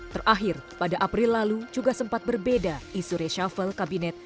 terakhir pada april lalu juga sempat berbeda isu reshuffle kabinet